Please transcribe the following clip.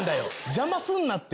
邪魔すんなって！